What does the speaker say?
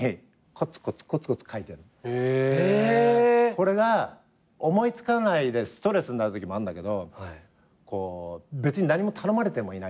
これが思い付かないでストレスになるときもあるんだけど別に何も頼まれてもいないじゃん。